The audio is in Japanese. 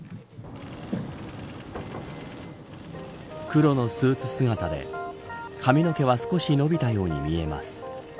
黒のスーツ姿で髪の毛は少し伸びたように見えます。